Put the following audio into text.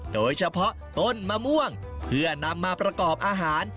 โดยเฉพาะต้นมะม่วงเพื่อนำมาประกอบอาหาร